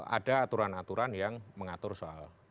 ada aturan aturan yang mengatur soal